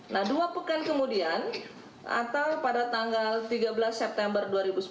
nah dua pekan kemudian atau pada tanggal tiga belas september dua ribu sembilan belas